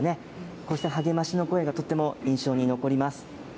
こうした励ましの声がとっても印象に残ります。